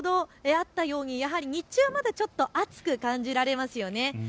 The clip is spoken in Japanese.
ただ先ほどあったようにやはり日中はまだちょっと暑く感じられますよね。